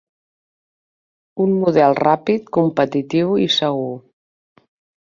Un model ràpid, competitiu i segur.